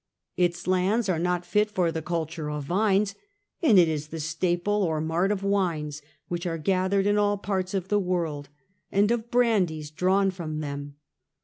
Its lands are not fit for the culture of vines, and it is the staple or mart of wines, which are gathered in all parts of the world, and of brandies drawn from them.